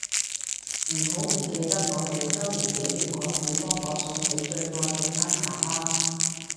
唔好唔記得我哋週年紀念嗰時幫我送佢最愛嘅山茶花